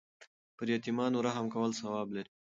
پر یتیمانو رحم کول ثواب لري.